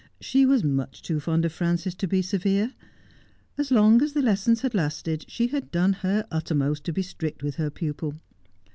She was much too fond of Frances to be severe. As long as the lessons had lasted she had done her uttermost to be strict with her pupil.